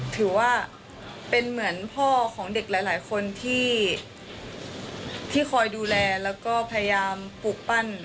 ถือว่าเป็นเหมือนพ่อของเด็กหลายคนที่คอยดูแลแล้วก็พยายามปลูกปั้น